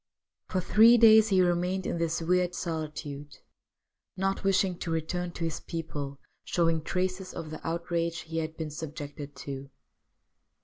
For three days he remained in this weird solitude, not wishing to return to his people showing traces of the outrage he had been subjected to.